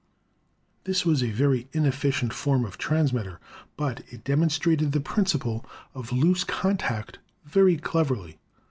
This was a very ineffi cient form of transmitter, but it demonstrated the princi ple of loose contact very cleverly.